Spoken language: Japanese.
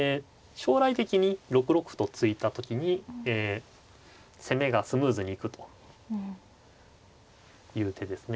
将来的に６六歩と突いた時にえ攻めがスムーズに行くという手ですね。